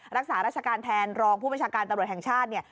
รักษารัชการแทนรองผู้ประชาการตำรวจแห่งชาติ